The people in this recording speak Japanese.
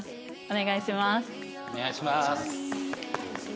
お願いします。